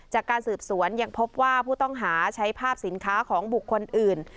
จากการสืบสวนยังพบว่าผู้ต้องหาใช้ภาพสินค้าของบุคคลอื่น